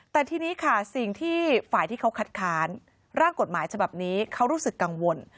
แต่ทีนี้ค่ะสิ่งที่ฝ่ายที่เขาคัดค้านร่างกฎหมายฉบับนี้เขารู้สึกกังวล